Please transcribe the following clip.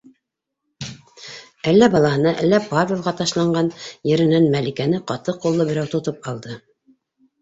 - Әллә балаһына, әллә Павелға ташланған еренән Мәликәне ҡаты ҡуллы берәү тотоп алды: